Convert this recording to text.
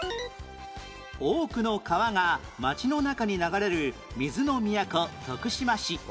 多くの川が街の中に流れる水の都徳島市